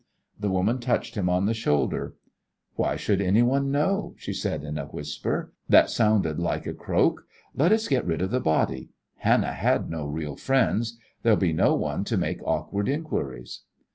The woman touched him on the shoulder. "Why should anyone know?" she said, in a whisper that sounded like a croak. "Let us get rid of the body. Hannah had no real friends. There'll be no one to make awkward inquiries."